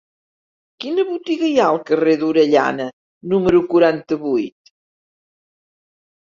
Quina botiga hi ha al carrer d'Orellana número quaranta-vuit?